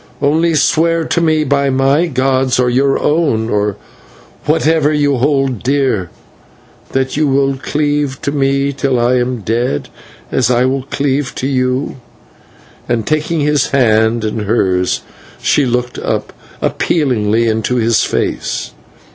Only swear to me by my gods, or your own, or whatever you hold dear, that you will cleave to me till I am dead, as I will cleave to you." And, taking his hand in hers, she looked up appealingly into his face.